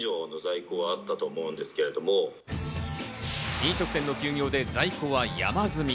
飲食店の休業で在庫は山積み。